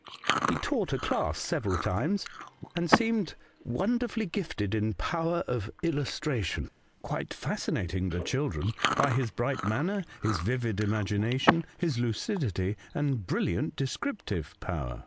He taught a class several times, and seemed wonderfully gifted in power of illustration, quite fascinating the children by his bright manner, his vivid imagination, his lucidity, and brilliant descriptive power.